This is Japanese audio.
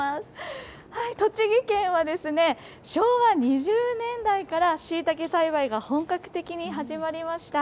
栃木県は昭和２０年代からしいたけ栽培が本格的に始まりました。